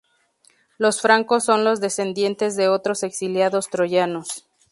Los francos son los descendientes de otros exiliados troyanos.